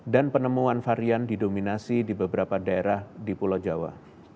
dan penemuan varian didominasi di beberapa daerah di pulau jawa